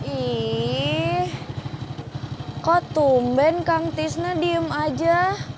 ih kok tumpen kang tisnak diem aja